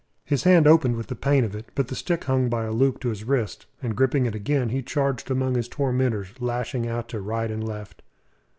His hand opened with the pain of it, but the stick hung by a loop to his wrist, and, gripping it again, he charged among his tormentors, lashing out to right and left.